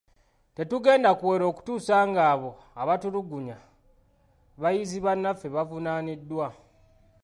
Tetugenda kuweera okutuusa nga abo abaatulugunya bayizi bannaffe bavunaaniddwa.